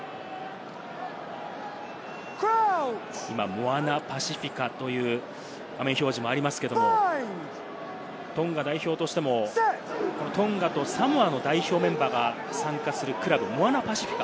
今、モアナ・パシフィカという画面表示がありますけど、トンガ代表としてもトンガとサモアの代表メンバーが参加するクラブ、モアナ・パシフィカ。